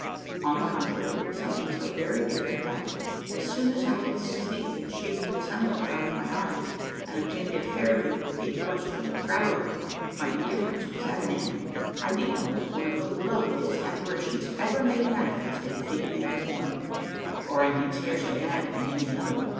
On the contrary, something so very different that, as soon as I had succeeded in shading the sun glare out of my eyes; and obtained a fair view of the equestrian traveller, my indifference was at an end: I beheld one of the loveliest apparitions ever made manifest in female form, or I need scarcely add, in any other.